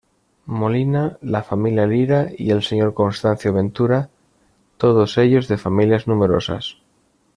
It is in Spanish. Molina, la familia Lira y el Sr. Constancio Ventura, todos ellos de familias numerosas.